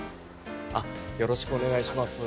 よろしくお願いします。